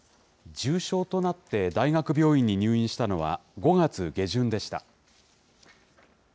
重症となって大学病院に入院したのは５月下旬でした。